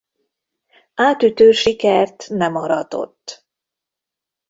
Átütő sikert nem aratott.